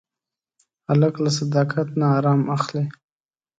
هلک له صداقت نه ارام اخلي.